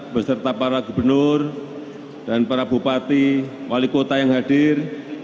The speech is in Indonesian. beserta para gubernur dan para bupati wali kota yang hadir